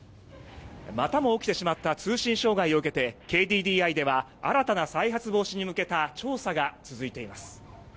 またも起きてしまった通信障害を受けてＫＤＤＩでは新たな再発防止に向けた調査が続いています。